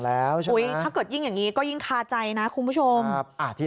แล้วถ้าเมื่อกี้ก็ขาดใจนะครับ